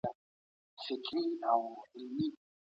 دا پديده يوازې شخصي ستونزه نه ده.